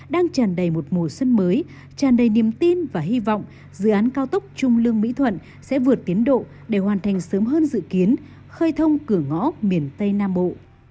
đang tràn đầy một mùa xuân mới tràn đầy niềm tin và hy vọng dự án cao tốc trung lương mỹ thuận sẽ vượt tiến độ để hoàn thành sớm hơn dự kiến khơi thông cửa ngõ miền tây nam bộ